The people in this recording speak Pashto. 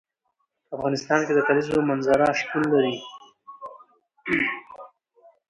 په افغانستان کې د کلیزو منظره شتون لري.